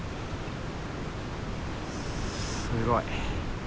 すごい。